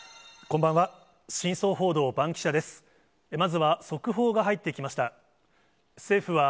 こんばんは。